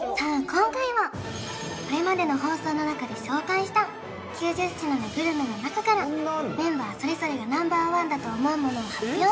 今回はこれまでの放送のなかで紹介した９０品のグルメのなかからメンバーそれぞれがＮｏ．１だと思うものを発表